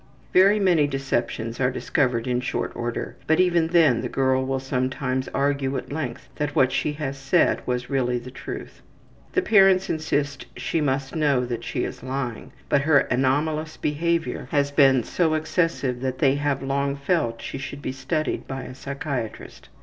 Very many deceptions are discovered in short order, but even then the girl will sometimes argue at length that what she has said was really the truth. The parents insist she must know that she is lying, but her anomalous behavior has been so excessive that they have long felt she should be studied by a psychiatrist.